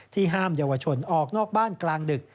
ห้ามเยาวชนออกนอกบ้านกลางดึก